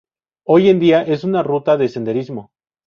Hoy en día es una ruta de senderismo.